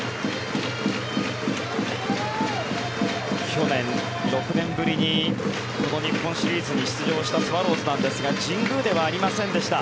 去年、６年ぶりにこの日本シリーズに出場したスワローズなんですが神宮ではありませんでした。